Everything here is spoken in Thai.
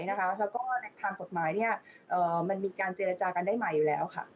แล้วก็ในทางกฎหมายมันมีการเจรจากันได้ใหม่อยู่แล้วค่ะ